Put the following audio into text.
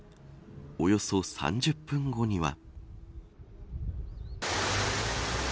およそ３０分後には。